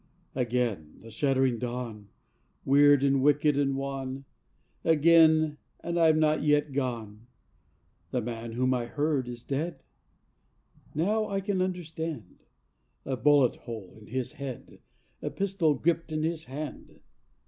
... Again the shuddering dawn, Weird and wicked and wan; Again, and I've not yet gone. The man whom I heard is dead. Now I can understand: A bullet hole in his head, A pistol gripped in his hand.